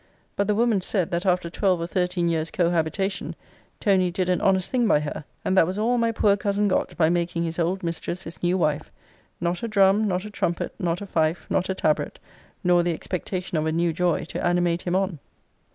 But the woman said, that after twelve or thirteen years' cohabitation, Tony did an honest thing by her. And that was all my poor cousin got by making his old mistress his new wife not a drum, not a trumpet, not a fife, not a tabret, nor the expectation of a new joy, to animate him on!